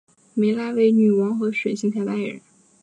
湄拉为女王和水行侠的爱人。